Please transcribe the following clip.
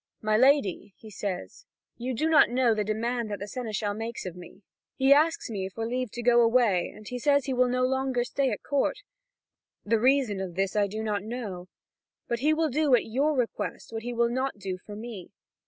"My lady," he says, "you do not know the demand that the seneschal makes of me. He asks me for leave to go away, and says he will no longer stay at court; the reason of this I do not know. But he will do at your request what he will not do for me.